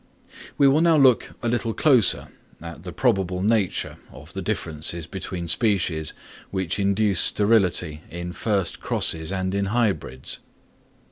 We will now look a little closer at the probable nature of the differences between species which induce sterility in first crosses and in hybrids.